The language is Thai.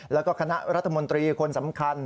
แล้วก็คณะรัฐมนตรีคนสำคัญ